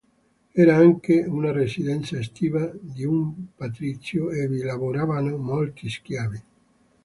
Era anche una residenza estiva di un patrizio e vi lavoravano molti schiavi.